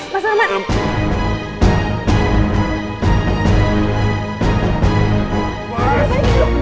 mas tunggu duduk